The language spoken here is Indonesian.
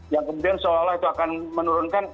yang kemudian seolah olah itu akan menurunkan